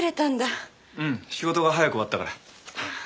うん仕事が早く終わったから。